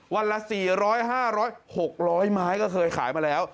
วันละ๔๐๐๕๐๐๖๐๐ไม้ก็เคยขายมาแล้ว